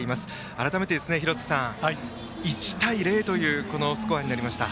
改めて、廣瀬さん１対０というスコアになりました。